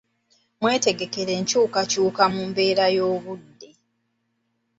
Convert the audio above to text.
Mwetegekere enkyukakyuka mu mbeera y'obudde.